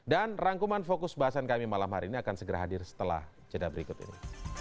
dan rangkuman fokus bahasan kami malam hari ini akan segera hadir setelah cedera berikut ini